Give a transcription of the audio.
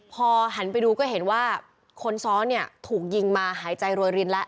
พอหันไปดูก็เห็นว่าคนซ้อนเนี่ยถูกยิงมาหายใจรวยรินแล้ว